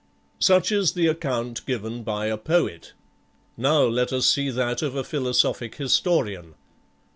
Such is the account given by a poet. Now let us see that of a philosophic historian.